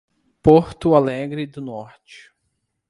Porto Alegre do Norte